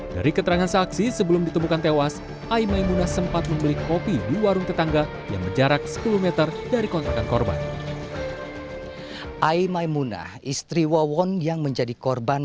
dari keterangan saksi sebelum ditemukan tewas aimai munah sempat membeli kopi di warung tetangga yang berjarak sepuluh meter dari kontrakan korban